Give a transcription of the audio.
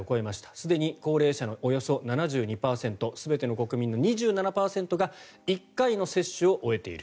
すでに高齢者のおよそ７２％全ての国民の２７％が１回の接種を終えている。